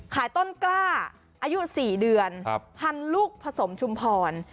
ต้นกล้าอายุ๔เดือนพันลูกผสมชุมพร